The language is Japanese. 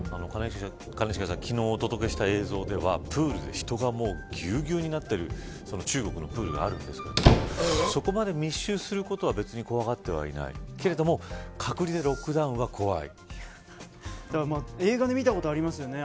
兼近さん、昨日お届けした映像では、プールで人がぎゅうぎゅうになっている中国のプールがあるんですがそこまで密集することは怖がってはいないだけれども隔離で映画で見たことありますよね